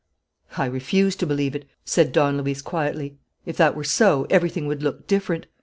"I refuse to believe it," said Don Luis quietly. "If that were so, everything would look different.